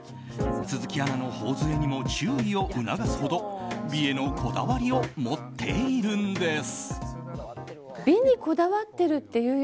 鈴木アナの頬杖にも注意を促すほど美へのこだわりを持っているんです。